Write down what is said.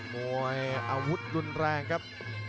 มวยอาวุธรุนแรงครับ